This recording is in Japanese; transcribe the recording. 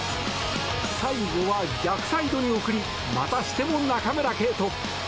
最後は逆サイドに送りまたしても中村敬斗！